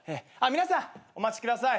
皆さんお待ちください。